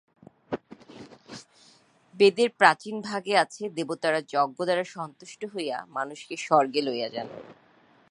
বেদের প্রাচীন ভাগে আছে, দেবতারা যজ্ঞদ্বারা সন্তুষ্ট হইয়া মানুষকে স্বর্গে লইয়া যান।